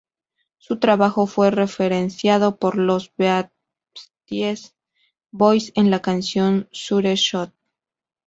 Su trabajo fue referenciado por los "Beastie Boys" en la canción "Sure Shot".